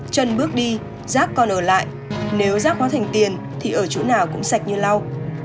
chân bước đi rác còn ở lại nếu rác hóa thành tiền thì ở chỗ nào cũng sạch như lau